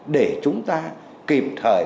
để chúng ta kịp thời